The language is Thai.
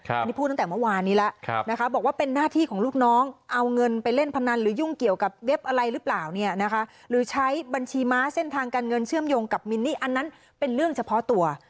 อันนี้พูดตั้งแต่เมื่อวานนี้แล้วนะคะบอกว่าเป็นหน้าที่ของลูกน้องเอาเงินไปเล่นพนันหรือยุ่งเกี่ยวกับเว็บอะไรหรือเปล่าเนี่ยนะคะหรือใช้บัญชีม้าเส้นทางการเงินเชื่อมโยงกับมินนี่อันนั้นเป็นเรื่องเฉพาะตัว